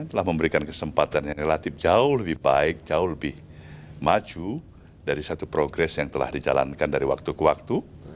telah memberikan kesempatan yang relatif jauh lebih baik jauh lebih maju dari satu progres yang telah dijalankan dari waktu ke waktu